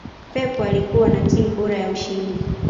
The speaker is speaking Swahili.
pep alikuwa na timu bora ya ushindi